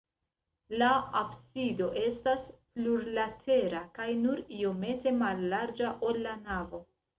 La absido estas plurlatera kaj nur iomete mallarĝa, ol la navo.